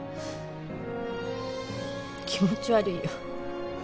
気持ち悪いよ。